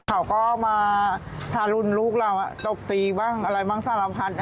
เขาก็มาทารุณลูกเราตบตีบ้างอะไรบ้างสารพัด